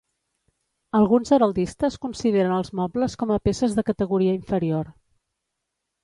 Alguns heraldistes consideren els mobles com a peces de categoria inferior.